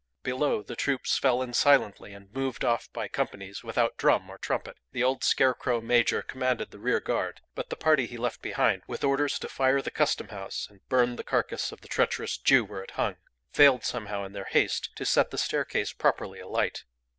Below, the troops fell in silently and moved off by companies without drum or trumpet. The old scarecrow major commanded the rearguard; but the party he left behind with orders to fire the Custom House (and "burn the carcass of the treacherous Jew where it hung") failed somehow in their haste to set the staircase properly alight.